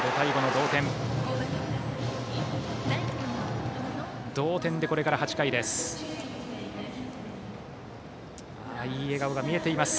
同点で、これから８回です。